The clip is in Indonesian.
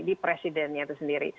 di presidennya itu sendiri